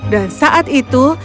dan saat itu